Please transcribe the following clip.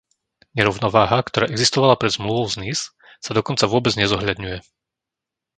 Nerovnováha, ktorá existovala pred Zmluvou z Nice, sa dokonca vôbec nezohľadňuje.